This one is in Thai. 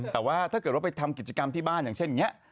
แต่ว่าถ้าเกิดว่าไปทำกิจกรรมที่บ้านอย่างเช่นอย่างนี้